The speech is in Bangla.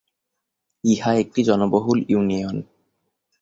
ইহা একটি জনবহুল ইউনিয়ন।